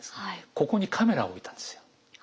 ここにカメラを置いたんですよ。